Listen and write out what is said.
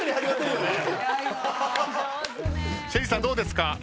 どうですか？